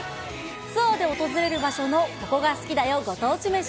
ツアーで訪れる場所のここが好きだよ！